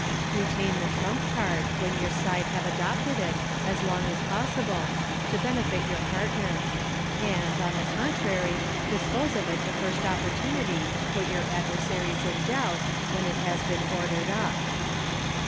Eetain the trump card, when your side have adopted it, as long as possible, to benefit your partner; and, on the contrary, dispose of it the first opportunity, to put your adver saries in doubt, when it has been ordered up.